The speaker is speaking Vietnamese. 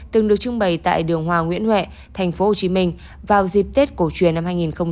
từng được trưng bày tại đường hòa nguyễn huệ thành phố hồ chí minh vào dịp tết cổ truyền năm hai nghìn hai mươi bốn